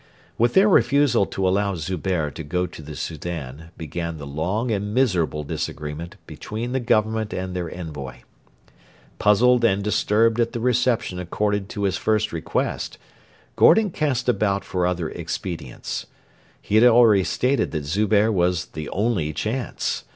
With their refusal to allow Zubehr to go to the Soudan began the long and miserable disagreement between the Government and their envoy. Puzzled and disturbed at the reception accorded to his first request, Gordon cast about for other expedients. He had already stated that Zubehr was 'the only chance.'